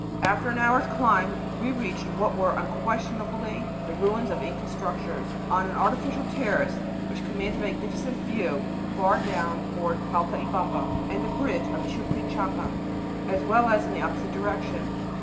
After an hour's climb we reached what were unquestionably the ruins of Inca structures, on an artificial terrace which commands a magnificent view far down toward Paltaybamba and the bridge of Chuquichaca, as well as in the opposite direction.